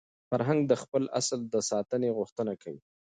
فرهنګ د خپل اصل د ساتني غوښتنه کوي.